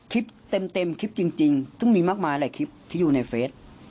คลิปเต็มคลิปจริงซึ่งมีมากมายหลายคลิปที่อยู่ในเฟส